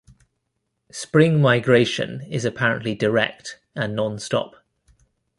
Spring migration is apparently direct and non-stop.